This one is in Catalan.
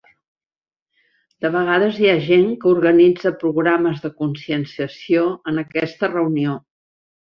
De vegades hi ha gent que organitza programes de conscienciació en aquesta reunió.